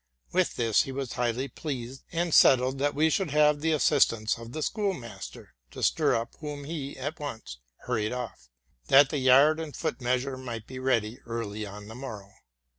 With this he was highly pleased, and settled that we should have the assistance of the schoolmaster, to stir up whom he at once hurried off, that the yard and foot measure might be ready early on the morrow.